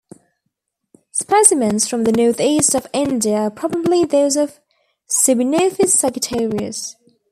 Specimens from the Northeast of India are probably those of "Sibynophis sagittarius".